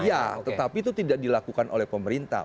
iya tetapi itu tidak dilakukan oleh pemerintah